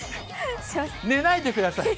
寝ないでください。